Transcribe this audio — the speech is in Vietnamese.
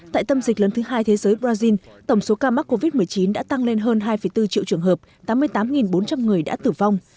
tại tâm dịch lớn thứ hai thế giới brazil tổng số ca mắc covid một mươi chín đã tăng lên hơn hai bốn triệu trường hợp tám mươi tám bốn trăm linh người đã tử vong